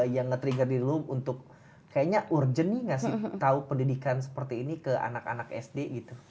yang nge trigger diri lu untuk kayaknya urgent nih ngasih tahu pendidikan seperti ini ke anak anak sd gitu